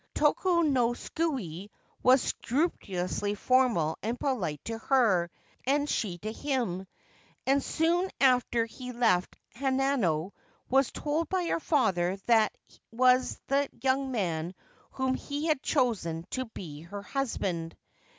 Tokunosuke was scrupulously formal and polite to her, and she to him ; and soon after he left Hanano was told by her father that that was the young man whom he had chosen to be her husband.